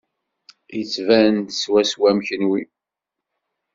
Yettban-d swaswa am kenwi.